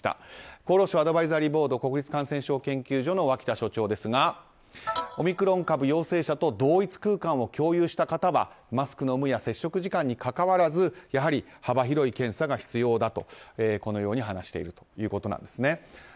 厚労省アドバイザリーボードの脇田座長ですがオミクロン株陽性者と同一空間を共有した人はマスクの有無や接触時間にかかわらず幅広い検査が必要だと話しているということです。